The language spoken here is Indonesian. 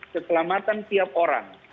keselamatan tiap orang